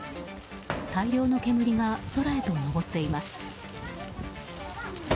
大量の煙が空へと上っています。